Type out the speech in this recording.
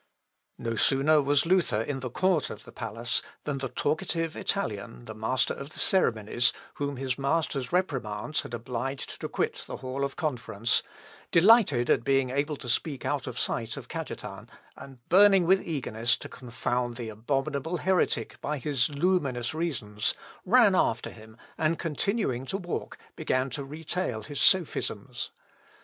No sooner was Luther in the court of the palace than the talkative Italian, the master of the ceremonies, whom his master's reprimands had obliged to quit the hall of conference, delighted at being able to speak out of sight of Cajetan, and burning with eagerness to confound the abominable heretic by his luminous reasons, ran after him, and continuing to walk, began to retail his sophisms.